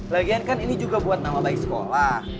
lagian kan ini juga buat nama baik sekolah